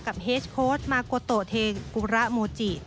เฮสโค้ดมาโกโตเทกุระโมจิ